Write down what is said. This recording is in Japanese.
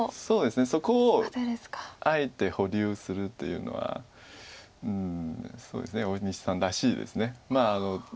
そうですねそこをあえて保留するというのはうんそうですね大西さんらしいです。